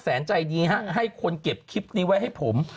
แสนใจดีฮะให้คนเก็บคลิปนี้ไว้ให้ผม